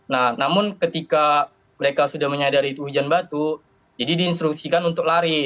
nah namun ketika mereka sudah menyadari itu hujan batu jadi diinstruksikan untuk lari